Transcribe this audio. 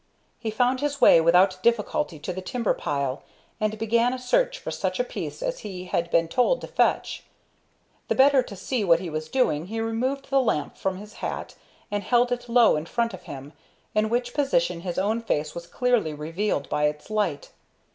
He found his way without difficulty to the timber pile, and began a search for such a piece as he had been told to fetch. The better to see what he was doing, he removed the lamp from his hat and held it low in front of him, in which position his own face was clearly revealed by its light.